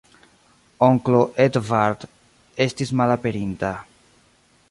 Onklo Edvard estis malaperinta.